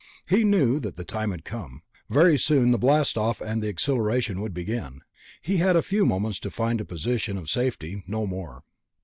He knew that the time had come. Very soon the blastoff and the accelleration would begin. He had a few moments to find a position of safety, no more.